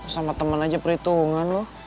sama temen aja perhitungan lo